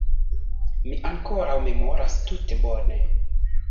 Mi ankoraŭ memoras tute bone.